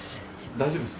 大丈夫です。